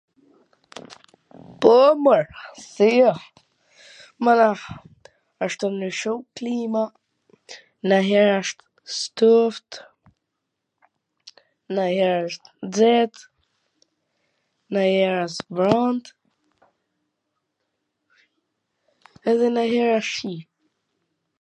Po, mor, si jo, mana, asht tu ndryshu klima, najher asht ftoft, najher wsht xet, najher wsht vrant, edhe najher wsht shi.